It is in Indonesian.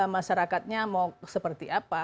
masyarakatnya mau seperti apa